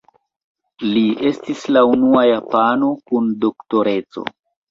Li estis la unua japano kun Doktoreco.